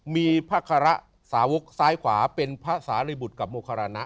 มีพระคาระสาวกซ้ายขวาเป็นพระสาริบุตรกับโมคารณะ